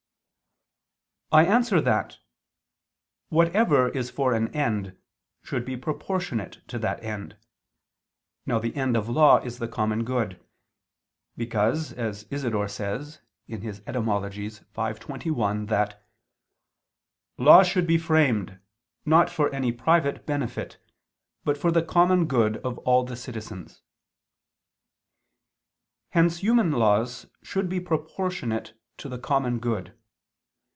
I answer that, Whatever is for an end should be proportionate to that end. Now the end of law is the common good; because, as Isidore says (Etym. v, 21) that "law should be framed, not for any private benefit, but for the common good of all the citizens." Hence human laws should be proportionate to the common good.